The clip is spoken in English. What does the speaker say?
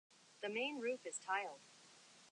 The main roof is tiled.